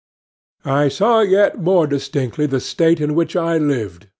I saw yet more distinctly the State in which I lived.